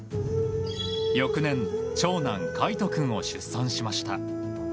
翌年、長男・海杜君を出産しました。